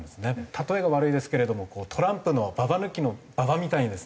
例えが悪いですけれどもトランプのババ抜きのババみたいにですね